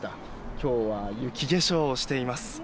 今日は雪化粧をしています。